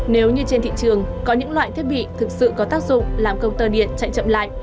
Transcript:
nếu như trên thị trường có những loại thiết bị thực sự có tác dụng làm công tơ điện chạy chậm lại